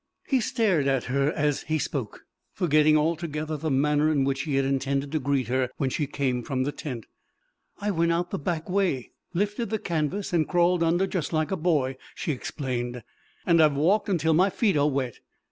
He stared at her as he spoke, forgetting altogether the manner in which he had intended to greet her when she came from the tent. "I went out the back way lifted the canvas and crawled under just like a boy," she explained. "And I've walked until my feet are wet."